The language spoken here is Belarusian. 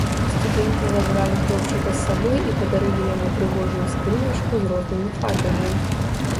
Студэнты забралі хлопчыка з сабой і падарылі яму прыгожую скрыначку з рознымі фарбамі.